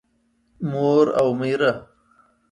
مور او مېره